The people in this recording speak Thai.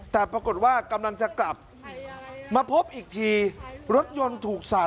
แต่ปรากฏว่ากำลังจะกลับมาพบอีกทีรถยนต์ถูกใส่